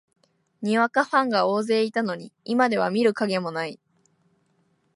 にわかファンが大勢いたのに、今では見る影もない